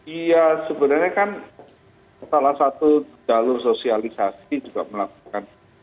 iya sebenarnya kan salah satu jalur sosialisasi juga melakukan